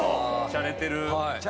しゃれてる。